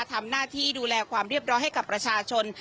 ทำหน้าที่ดูแลความเรียบร้อยให้กับประชาชน